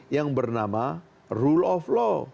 yang bernama rule of law